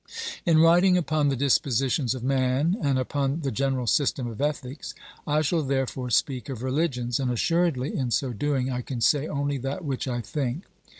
In writing upon the dispositions of man and upon the general system of ethics, I shall therefore speak of religions, and assuredly, in so doing, I can say only that which I think.